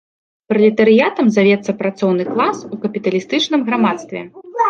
Пралетарыятам завецца працоўны клас у капіталістычным грамадстве.